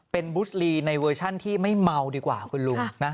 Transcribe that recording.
เป็นบุสลีในเวอร์ชันที่ไม่เมาดีกว่าคุณลุงนะ